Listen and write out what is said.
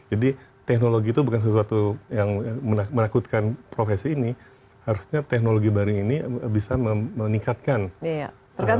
jadi teknologi itu bukan sesuatu yang menakutkan profesi ini harusnya teknologi baru ini bisa meningkatkan peran